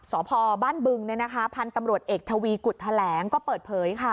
สปบ้านบึงเนี้ยนะคะพันกำรวจเอกทวีกุฏแถแหลงก็เปิดเผยข้า